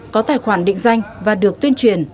có tài khoản định danh và được tuyên truyền